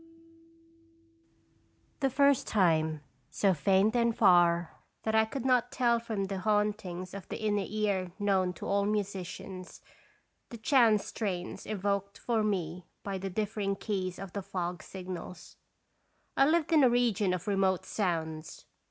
S33 ' PPP The first time so faint and far that I could not tell it from the hauntings of the inner ear known to all musicians, the chance strains evoked for me by the differing keys of the fog signals. I lived in a region of remote sounds.